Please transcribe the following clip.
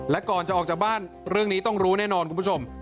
และก่อนจะออกจากบ้านเรื่องนี้ต้องรู้แน่นอนคุณผู้ชม